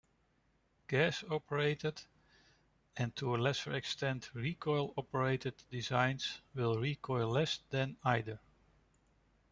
Gas-operated, and to a lesser extent recoil-operated, designs will recoil less than either.